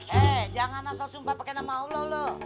hei jangan asal sumpah pake nama allah lo